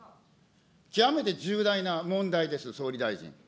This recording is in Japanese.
極めて重大な問題です、総理大臣。